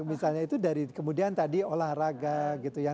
misalnya itu dari kemudian tadi olahraga gitu ya